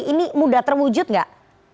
ini mudah terwujud gak